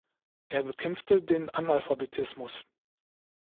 Er bekämpfte den Analphabetismus.